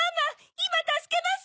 いまたすけます。